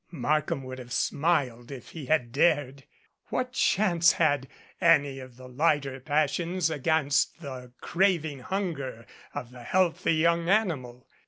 Markham would have smiled if he had dared! What chance had any of the lighter passions against the crav ing hunger of the healthy young animal?